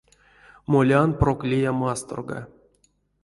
Молян прок лия масторга.